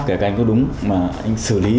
kể cả anh có đúng mà anh xử lý